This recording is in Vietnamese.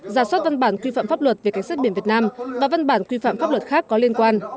giả soát văn bản quy phạm pháp luật về cảnh sát biển việt nam và văn bản quy phạm pháp luật khác có liên quan